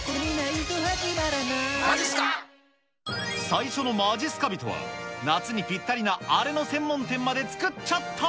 最初のまじっすか人は、夏にぴったりな、あれの専門店まで作っちゃった。